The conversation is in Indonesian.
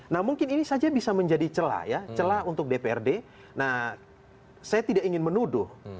nah mungkin ini saja bisa menjadi celah untuk dprd saya tidak ingin menuduh